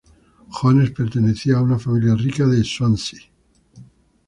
Jones pertenecía a una familia rica de Swansea.